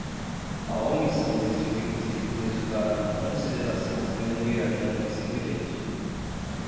A omissão deste requisito resultará na consideração de um viajante sem bilhete.